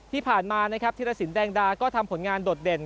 ที่ผ่านมานะครับธิรสินแดงดาก็ทำผลงานโดดเด่น